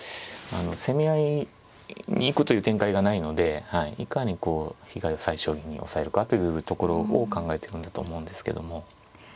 攻め合いに行くという展開がないのでいかに被害を最小限に抑えるかというところを考えてるんだと思うんですけども。